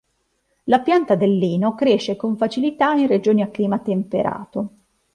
La pianta del lino cresce con facilità in regioni a clima temperato.